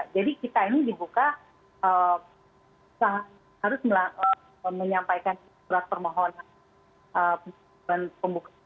jadi kita ini dibuka harus menyampaikan berat permohonan pembukaan